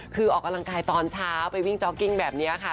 คือออกกำลังกายตอนเช้าไปวิ่งจ๊อกกิ้งแบบนี้ค่ะ